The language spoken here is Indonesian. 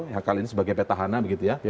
yang kali ini sebagai petahana begitu ya